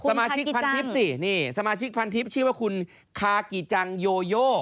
สมาชิกพันทิพย์สินี่สมาชิกพันทิพย์ชื่อว่าคุณคากิจังโยโย